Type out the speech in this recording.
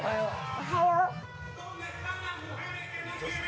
おはよう。